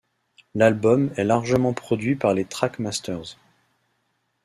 L'album est largement produit par les Trackmasters.